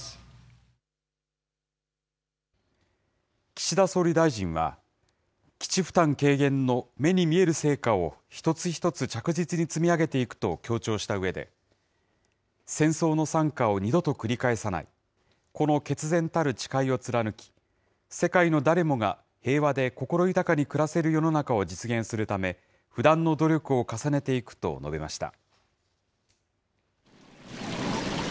岸田総理大臣は、基地負担軽減の目に見える成果を一つ一つ着実に積み上げていくと強調したうえで、戦争の惨禍を二度と繰り返さない、この決然たる誓いを貫き、世界の誰もが平和で心豊かに暮らせる世の中を実現するため、不断の努力を重ねていくと述べました。